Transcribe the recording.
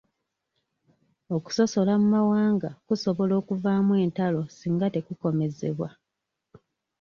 Okusosola mu mawanga kusobola okuvaamu entalo singa tekukomezebwa.